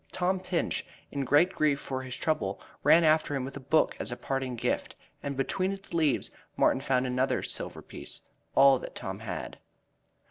Tom Pinch, in great grief for his trouble, ran after him with a book as a parting gift, and between its leaves Martin found another silver piece all Tom had.